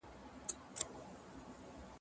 اعتبار نه په خندا نه په ژړا سته